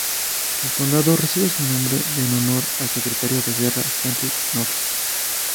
El condado recibe su nombre en honor al Secretario de Guerra Henry Knox.